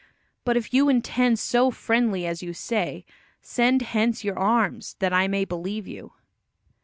But if you intend so friendly as you say, send hence your arms, that I may believe you."